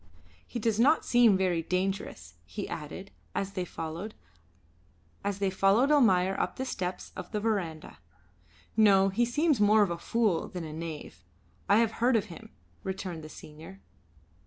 "He does not seem very dangerous," he added, as they followed Almayer up the steps of the verandah. "No, he seems more of a fool than a knave; I have heard of him," returned the senior.